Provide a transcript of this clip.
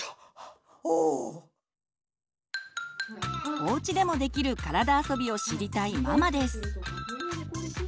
おうちでもできる体あそびを知りたいママです。